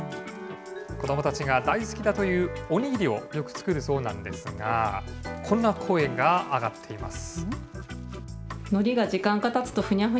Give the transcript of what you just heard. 子どもたちが大好きだというお握りをよく作るそうなんですが、こんな声が上がっています。